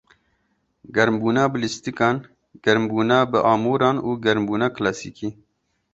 Germbûna bi lîstikan, germbûna bi amûran û germbûna kilasîkî.